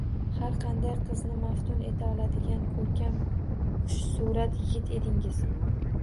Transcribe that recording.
Har qanday qizni maftun eta oladigan ko`rkam, xushsurat yigit edingiz